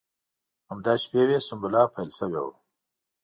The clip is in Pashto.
همدا شپې وې سنبله پیل شوې وه.